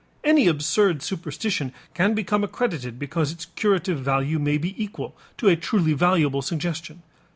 Any absurd superstition can become accredited because its curative value may be equal to a truly valuable suggestion.